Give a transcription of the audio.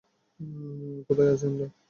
কোথায় আছি আমরা?